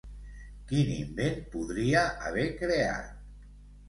Quin invent podria haver creat?